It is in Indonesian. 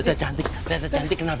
uli artists dan juga si vilay